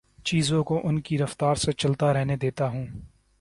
چیزوں کو ان کی رفتار سے چلتا رہنے دیتا ہوں